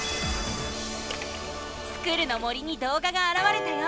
スクる！の森にどうががあらわれたよ！